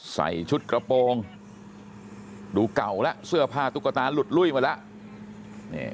ใส่ชุดกระโปรงดูเก่าแล้วเสื้อผ้าตุ๊กตาหลุดลุ้ยมาแล้ว